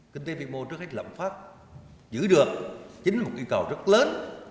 kinh tế vĩ mô trước hết lậm pháp giữ được chính một yêu cầu rất lớn